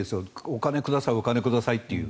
お金をくださいお金をくださいって。